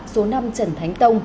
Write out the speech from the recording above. số năm trần thánh tông